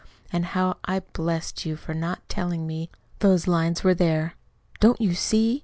And how I blessed you for not TELLING me those lines were there! Don't you see?